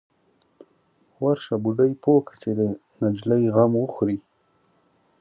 _ورشه، بوډۍ پوه که چې د نجلۍ غم وخوري.